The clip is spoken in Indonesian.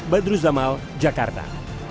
badru zamal jakarta